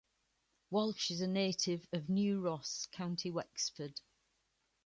Walsh is a native of New Ross, County Wexford.